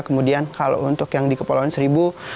kemudian kalau untuk yang di kepulauan seribu